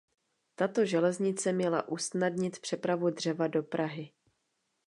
Tato železnice měla usnadnit přepravu dřeva do Prahy.